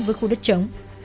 với khu đất trống